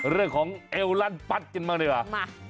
เรื่องของเอวรันปั๊ดกินมากดีกว่ามา